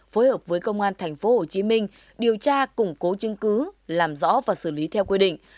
phối hợp với công an tp hcm điều tra củng cố chứng cứ làm rõ và xử lý theo quy định